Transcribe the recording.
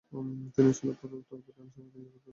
তিনি সোলাপুর উত্তর বিধানসভা কেন্দ্রের প্রতিনিধিত্ব করেন।